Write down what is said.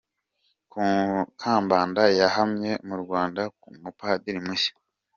Kambanda yahamye mu Rwanda nk’umupadiri mushya.